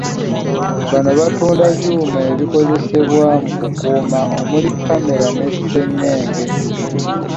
Bano batunda byuma ebikozesebwa mu kukuuma, omuli; kkamera, ne ssengenge.